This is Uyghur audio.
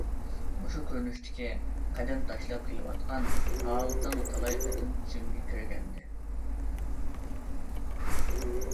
مۇشۇ كۆرۈنۈشتىكى قەدەم تاشلاپ كېلىۋاتقان ھالىتىڭ تالاي قېتىم چۈشۈمگە كىرگەنىدى.